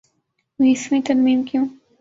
ائیسویں ترمیم کیوں؟